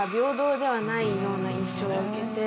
ような印象を受けて。